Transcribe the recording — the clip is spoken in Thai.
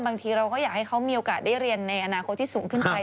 บางทีเราก็อยากให้เขามีโอกาสได้เรียนในอนาคตที่สูงขึ้นไป